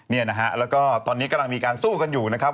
เนี่ยนะฮะแล้วก็ตอนนี้กำลังมีการสู้กันอยู่นะครับ